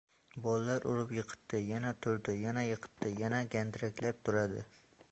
Bolalar urib yiqitadi, yana turadi, yana yiqitadi, yana gandiraklab turadi.